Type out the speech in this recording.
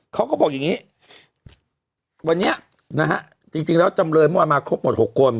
เขาก็บอกอย่างนี้วันนี้นะฮะจริงแล้วจำเลยเมื่อวานมาครบหมด๖คน